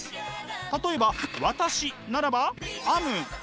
例えば私ならばａｍ。